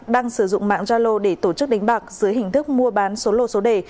đang sử dụng mạng yalo để tổ chức đánh bạc dưới hình thức mua bán số lộ số đề